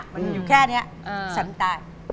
มันอยู่แค่นี้ฉันตาย